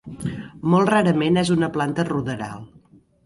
Molt rarament és una planta ruderal.